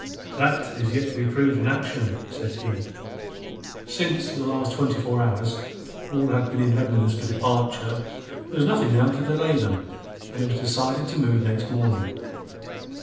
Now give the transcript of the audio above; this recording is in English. "That is yet to be proved in action," said he. Since for the last twenty four hours all had been in readiness for departure, there was nothing now to delay them, and it was decided to move next morning.